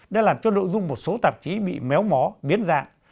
đã làm cho nội dung một số tạp chí bị méo mó biến dạng